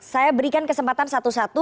saya berikan kesempatan satu satu